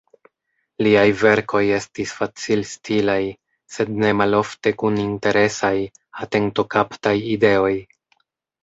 Liaj verkoj estis facilstilaj, sed nemalofte kun interesaj, atentokaptaj ideoj.